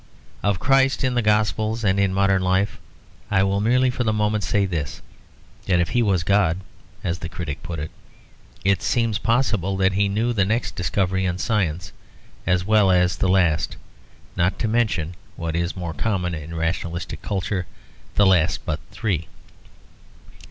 Of Christ in the Gospels and in modern life I will merely for the moment say this; that if he was God, as the critic put it, it seems possible that he knew the next discovery in science, as well as the last, not to mention (what is more common in rationalistic culture) the last but three.